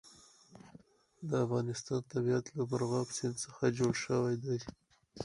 د افغانستان طبیعت له مورغاب سیند څخه جوړ شوی دی.